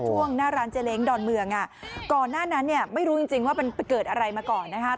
ช่วงหน้าร้านเจรงดอนเมืองก่อนหน้านั้นไม่รู้จริงว่าเป็นเกิดอะไรมาก่อนนะครับ